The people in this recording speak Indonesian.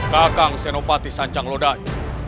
kakang senopati sancang lodan